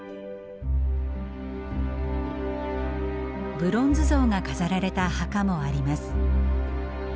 ブロンズ像が飾られた墓もあります。